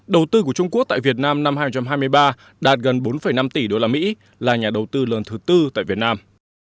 đầu tư của trung quốc tại việt nam năm hai nghìn hai mươi ba đạt gần bốn năm tỷ usd là nhà đầu tư lớn thứ tư tại việt nam